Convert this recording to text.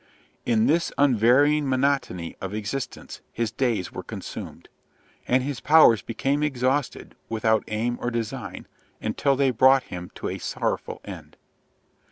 In this unvarying monotony of existence his days were consumed; and his powers became exhausted without aim or design, until they brought him to a sorrowful end.